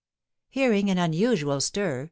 Hearing an unusual stir, M.